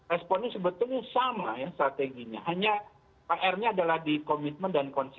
responnya sebetulnya sama ya strateginya hanya pr nya adalah di komitmen dan konsep